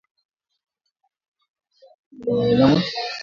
Vipele vinaweza kutunza virusi vya pumu kwa wanyama